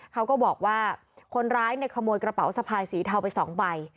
เขาก็บอกว่าคนร้ายเนี่ยขโมยกระเป๋าสะพายสีเทาไป๒ใบ